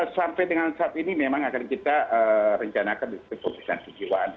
sampai dengan saat ini memang akan kita rencanakan pemeriksaan kejiwaan